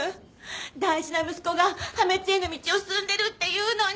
大事な息子が破滅への道を進んでるっていうのに！